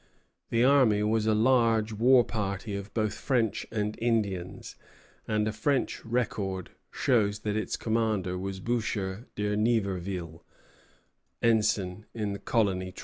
The "army" was a large war party of both French and Indians, and a French record shows that its commander was Boucher de Niverville, ensign in the colony troops.